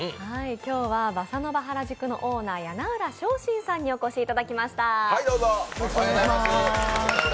今日はＢＡＳＳＡＮＯＶＡ原宿のオーナー梁浦正臣さんにお越しいただきました。